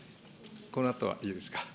このあとはいいですか。